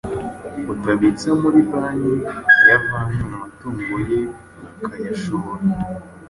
Utabitsa muri banki, ayo avanye mu matungo ye akayashora